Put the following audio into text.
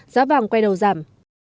giá vàng quay đầu giảm